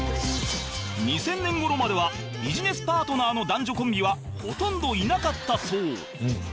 ２０００年頃まではビジネスパートナーの男女コンビはほとんどいなかったそう